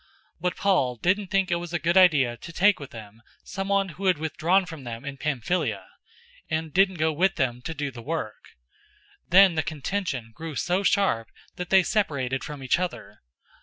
015:038 But Paul didn't think that it was a good idea to take with them someone who had withdrawn from them in Pamphylia, and didn't go with them to do the work. 015:039 Then the contention grew so sharp that they separated from each other.